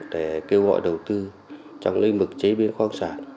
để kêu gọi đầu tư trong lĩnh vực chế biến khoa học sản